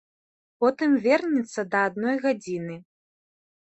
Потым вернецца да адной гадзіны.